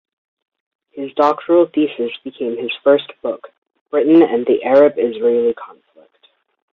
His doctoral thesis became his first book, "Britain and the Arab-Israeli Conflict".